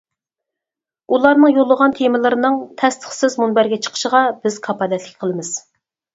ئۇلارنىڭ يوللىغان تېمىلىرىنىڭ تەستىقسىز مۇنبەرگە چىقىشىغا بىز كاپالەتلىك قىلىمىز!